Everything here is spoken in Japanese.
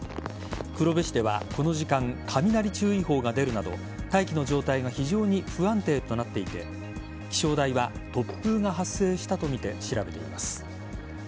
黒部市ではこの時間、雷注意報が出るなど大気の状態が非常に不安定となっていて気象台は突風が発生したとみて調べています。